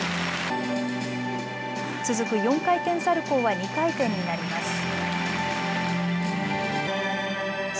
続く４回転サルコーは２回転になります。